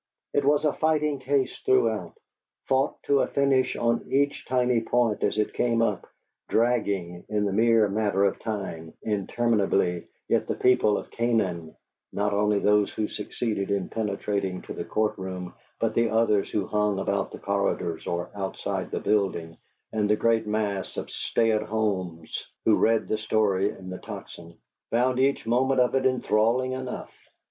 It was a fighting case throughout, fought to a finish on each tiny point as it came up, dragging, in the mere matter of time, interminably, yet the people of Canaan (not only those who succeeded in penetrating to the court room, but the others who hung about the corridors, or outside the building, and the great mass of stay at homes who read the story in the Tocsin) found each moment of it enthralling enough.